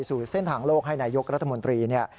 สู่เส้นทางโลกให้นายกรัฐมนตรีเนี่ย